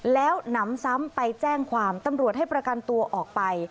แล้วหนำซ้ำไปแจ้งความตำรวจให้ประกันตัวออกไป